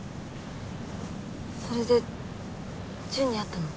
それでジュンに会ったの？